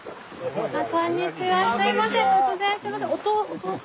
すいません突然。